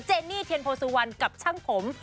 เนนี่เทียนโพสุวรรณกับช่างผม